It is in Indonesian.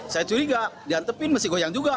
saya curiga di antepin masih goyang juga